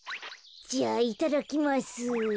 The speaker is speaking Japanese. じゃあいただきます。